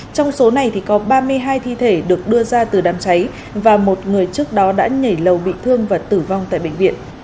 trong số này có ba mươi hai thi thể được đưa ra từ đám cháy và một người trước đó đã nhảy lầu bị thương và tử vong tại bệnh viện